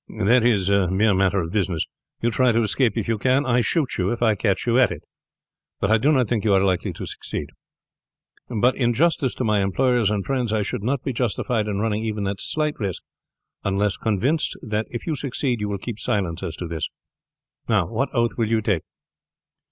"That is a mere matter of business. You try to escape if you can; I shoot you if I catch you at it. But I do not think you are likely to succeed. But in justice to my employers and friends I should not be justified in running even that slight risk unless convinced that if you succeed you will keep silence as to this. Now, what oath will you take?"